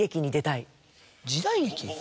時代劇？